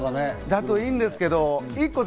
だといいんですけど。